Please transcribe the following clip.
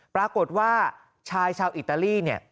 ปรากฏว่าชายชาวอิตาลีเนี่ย